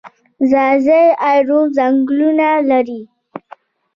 ځاځي اریوب ځنګلونه لري؟